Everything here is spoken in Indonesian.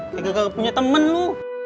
kayak gak punya temen lu